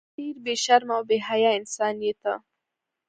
ډیر بی شرمه او بی حیا انسان یی ته